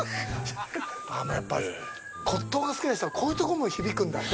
やっぱり骨とうが好きな人はこういうところも響くんだね。